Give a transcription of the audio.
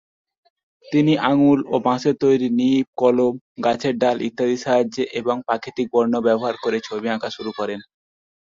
তিনি আঙ্গুল, বাঁশের তৈরি নিব-কলম, গাছের ডাল ইত্যাদির সাহায্যে এবং প্রাকৃতিক বর্ণ ব্যবহার করে ছবি আঁকা শুরু করেন।